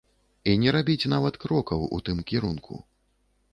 І не рабіць нават крокаў у тым кірунку.